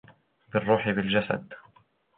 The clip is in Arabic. بالروح بالجسد